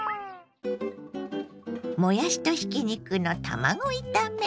もやしとひき肉の卵炒め。